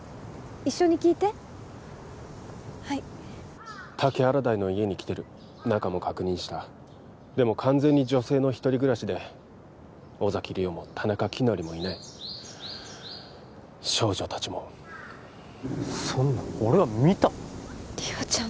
一緒に聞いてはい滝原台の家に来てる中も確認したでも完全に女性の１人暮らしで尾崎莉桜も田中希也もいない少女達もそんな俺は見た莉桜ちゃん